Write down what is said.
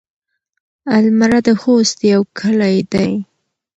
المره د خوست يو کلی دی.